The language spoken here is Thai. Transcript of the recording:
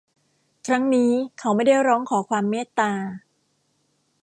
ครั้งนี้เขาไม่ได้ร้องขอความเมตตา